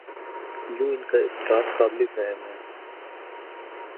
یوں ان کا اضطراب قابل فہم ہے۔